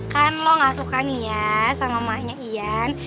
kan lo gak suka nih ya sama mahnya ian